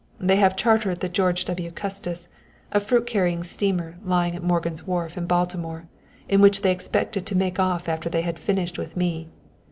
They have chartered the George W. Custis, a fruit carrying steamer lying at Morgan's wharf in Baltimore, in which they expected to make off after they had finished with me.